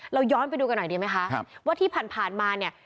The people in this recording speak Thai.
ย้อนไปดูกันหน่อยดีไหมคะว่าที่ผ่านมาเนี่ย